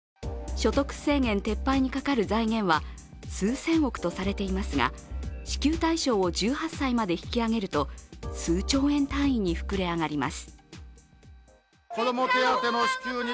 所得制限撤廃にかかる財源は数千億とされていますが、支給対象を１８歳まで引き上げると数兆円単位に膨れ上がります。